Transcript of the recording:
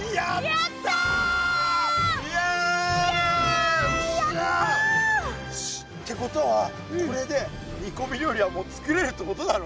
やった！ってことはこれで煮こみ料理はもうつくれるってことだろ？